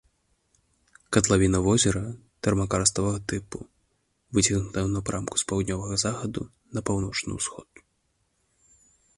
Катлавіна возера тэрмакарставага тыпу, выцягнутая ў напрамку з паўднёвага захаду на паўночны ўсход.